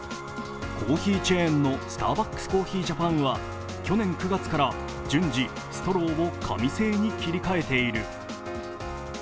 コーヒーチェーンのスターバックスコーヒージャパンは、去年９月から順次、ストローを紙製に切り替えている。